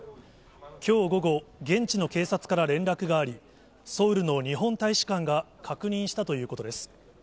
きょう午後、現地の警察から連絡があり、ソウルの日本大使館が確認したということです。